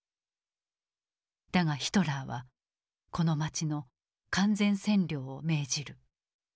だがヒトラーはこの街の「完全占領」を命じる。